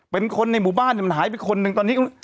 เป็นคนในหมู่บ้านมันหายไปคนหนึ่งตอนนี้